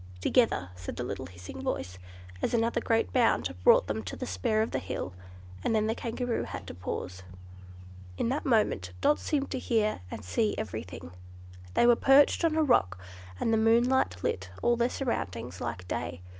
"Together!" said the little hissing voice, as another great bound brought them to the spur of the hill; and then the Kangaroo had to pause. In that moment Dot seemed to hear and see everything. They were perched on a rock, and the moonlight lit all their surroundings like day.